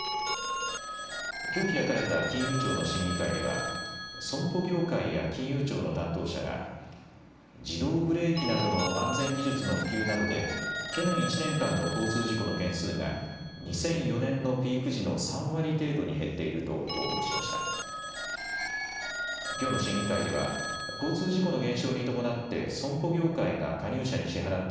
きょう開かれた金融庁の審議会では損保業界や金融庁の担当者が自動ブレーキなどの安全技術の普及などで去年１年間の交通事故の件数が２００４年のピーク時の３割程度に減っていると報告しました。